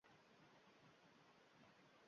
Aksincha, zarari yetadi.